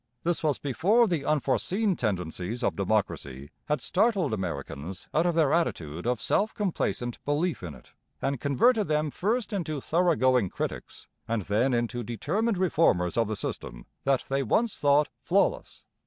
This was before the unforeseen tendencies of democracy had startled Americans out of their attitude of self complacent belief in it, and converted them first into thoroughgoing critics, and then into determined reformers of the system that they once thought flawless.